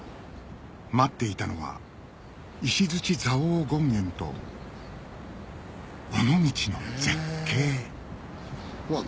待っていたのは石蔵王権現と尾道の絶景うわっ